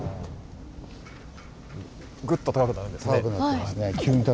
ぐっと高くなるんですね。